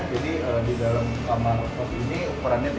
jadi di dalam kamar kos ini ukurannya tiga x